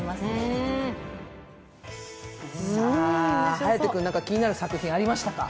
颯君、気になる作品ありましたか？